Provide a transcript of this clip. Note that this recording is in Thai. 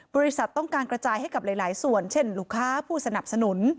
บริษัทต้องการกระจายให้กับหลายส่วนเช่นลูกค้าผู้สนับสนุน